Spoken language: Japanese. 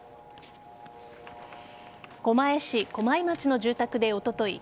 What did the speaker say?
狛江市駒井町の住宅でおととい